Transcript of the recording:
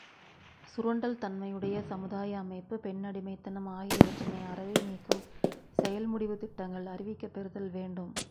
சுரண்டல் தன்மையுடைய சமுதாய அமைப்பு, பெண்ணடிமைத்தனம் ஆகியவற்றினை அறவே நீக்கும் செயல் முடிவுத் திட்டங்கள் அறிவிக்கப் பெறுதல் வேண்டும்.